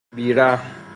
بیرحم